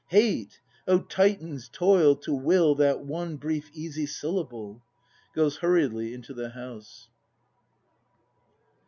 Hate! O Titan's toil, to will That one brief easy syllable! [Goes hurriedly into the house.